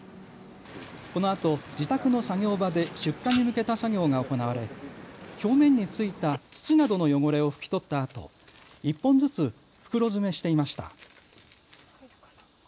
このあと自宅の作業場で出荷に向けた作業が行われ表面についた土などの汚れを拭き取ったあと１本ずつ袋詰めしていました。